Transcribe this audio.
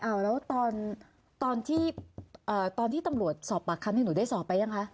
อ่าแล้วตอนที่ตำรวจสอบปากคำนี้หนูได้สอบไปหรือยังคะ